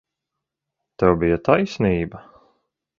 Tev bija taisnība.